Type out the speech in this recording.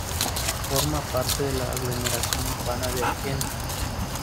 Forma parte de la aglomeración urbana de Argentan.